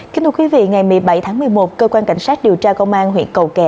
kính thưa quý vị ngày một mươi bảy tháng một mươi một cơ quan cảnh sát điều tra công an huyện cầu kè